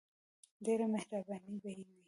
ډیره مهربانی به یی وی.